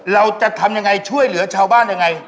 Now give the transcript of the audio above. เราจะทำยังไงช่วยเหลือชาวบ้านยังไง